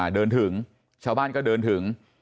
เดินถึงชาวบ้านก็เดินถึง